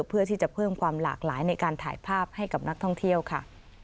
เพื่อที่จะเพิ่มความหลากหลายในการถ่ายภาพให้กับนักท่องเที่ยวค่ะ